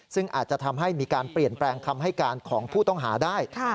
ซึ่งอาจจะทำให้มีการเปลี่ยนแปลงคำให้การของผู้ต้องหาได้